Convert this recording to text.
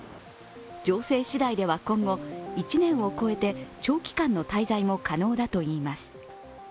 情勢しだいでは今後、１年を超えて長期間の滞在も可能だといいます。